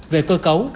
về cơ cấu